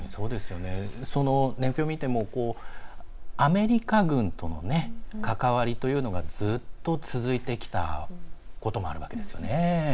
その年表を見てもアメリカ軍との関わりというのがずっと続いてきたこともあるわけですよね。